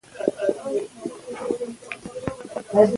او ټولنيز ناول دی